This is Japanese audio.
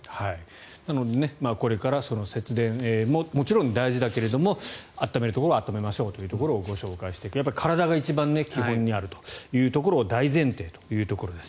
なので、これから節電もちろん大事だけれども暖めるところは暖めましょうというのをご紹介して、やっぱり体が一番基本にあるというところが大前提というところです。